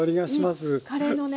カレーのね